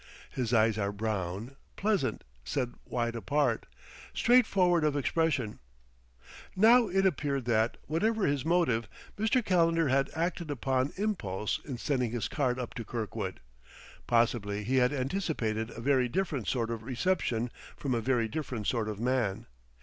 His eyes are brown, pleasant, set wide apart, straightforward of expression. Now it appeared that, whatever his motive, Mr. Calendar had acted upon impulse in sending his card up to Kirkwood. Possibly he had anticipated a very different sort of reception from a very different sort of man.